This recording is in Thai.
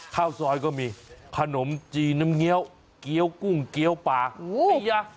ข้าวซอยก็มีขนมจีนน้ำเงี้ยวเกี้ยวกุ้งเกี้ยวป่าเปี๊ยะ